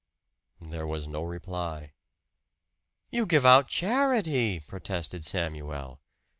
There was no reply. "You give out charity!" protested Samuel.